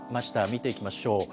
見ていきましょう。